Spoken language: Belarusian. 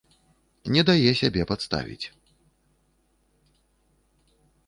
Не дае сябе падставіць.